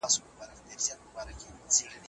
ده د منځلارۍ لار عملي کړه.